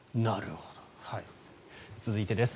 続いてです。